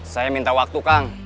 saya minta waktu kang